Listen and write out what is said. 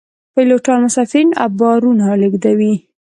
پیلوټان مسافرین او بارونه لیږدوي